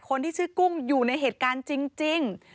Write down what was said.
คนที่ชื่อกุ้งอยู่ในเหตุการณ์จริง